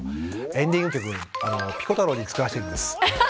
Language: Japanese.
エンディング曲ピコ太郎に作らせているんです。